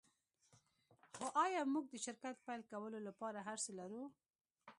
خو ایا موږ د شرکت پیل کولو لپاره هرڅه لرو